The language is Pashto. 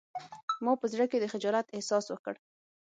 ما په زړه کې د خجالت احساس وکړ